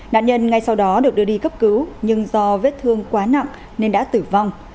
nạn nhân ngay sau đó được đưa đi cấp cứu nhưng do vết thương quá nặng nên đã tử vong